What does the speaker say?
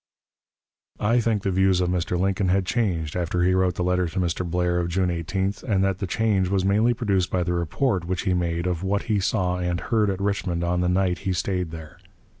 I think the views of Mr. Lincoln had changed after he wrote the letter to Mr. Blair of June 18th, and that the change was mainly produced by the report which he made of what he saw and heard at Richmond on the night he staid there.